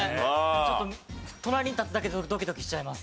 ちょっと隣に立つだけでドキドキしちゃいます。